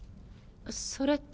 それって。